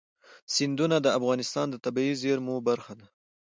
سیندونه د افغانستان د طبیعي زیرمو برخه ده.